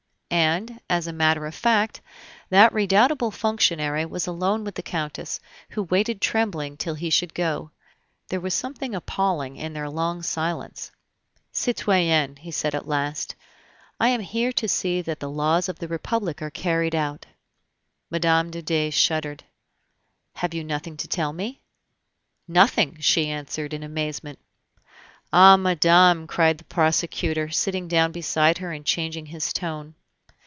And, as a matter of fact, that redoubtable functionary was alone with the Countess, who waited trembling till he should go. There was something appalling in their long silence. "Citoyenne," said he at last, "I am here to see that the laws of the Republic are carried out " Mme. de Dey shuddered. "Have you nothing to tell me?" "Nothing!" she answered, in amazement. "Ah! madame," cried the prosecutor, sitting down beside her and changing his tone.